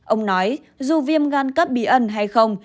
ông nói dù viêm gan cấp bí ẩn hay không